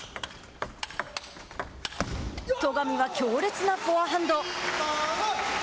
戸上は強烈なフォアハンド。